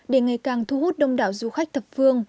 để ngày càng thu hút đông đảo du khách thập phương